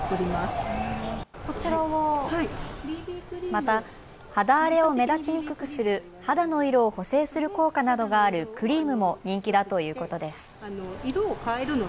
また肌荒れを目立ちにくくする肌の色を補正する効果などがあるクリームも人気だということです。